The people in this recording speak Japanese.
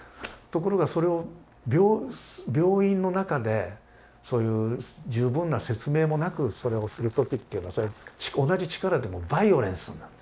ところがそれを病院の中で十分な説明もなくそれをする時っていうのは同じ力でもｖｉｏｌｅｎｃｅになる。